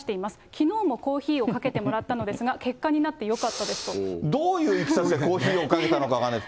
きのうもコーヒーをかけてもらったのですが、結果になってよかっどういういきさつでコーヒーをかけたのかまで。